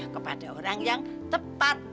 kepada orang yang tepat